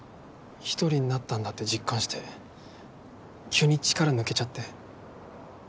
一人になったんだって実感して急に力抜けちゃって。